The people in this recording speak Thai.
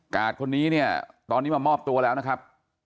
คนนี้เนี่ยตอนนี้มามอบตัวแล้วนะครับ